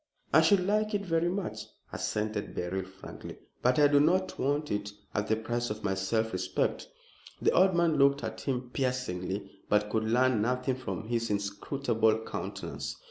"I should like it very much," assented Beryl, frankly; "but I do not want it at the price of my self respect." The old man looked at him piercingly, but could learn nothing from his inscrutable countenance.